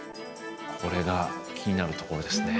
これが気になるところですね。